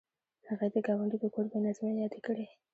هغې د ګاونډي د کور بې نظمۍ یادې کړې